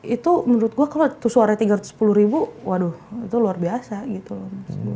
itu menurut gue kalau itu suara tiga ratus sepuluh ribu waduh itu luar biasa gitu loh